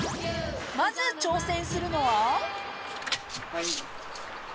まず、挑戦するのは。